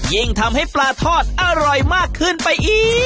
ยิ่งทำให้ปลาทอดอร่อยมากขึ้นไปอีก